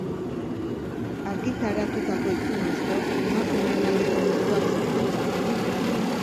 Argitaratutako ipuin asko, emakumeen aldeko mezuak zituzten.